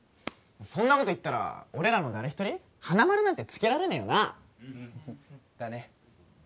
そんなこと言ったら俺らの誰一人花丸なんてつけられねえよなうんだね